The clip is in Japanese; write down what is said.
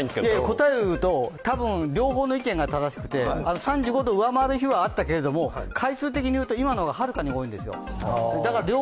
答えを言うと両方の意見が正しくて、３５度を超えることもあったけど回数的に言うと、今の方がはるかに多いんですよ。